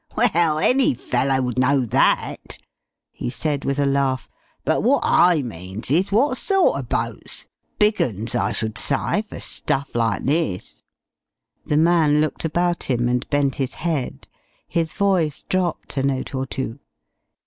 "Well, any fellow would know that!" he said with a laugh. "But what I means is, what sort er boats? Big uns, I should sy, fer stuff like this." The man looked about him and bent his head. His voice dropped a note or two.